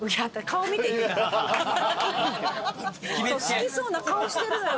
好きそうな顔してるのよ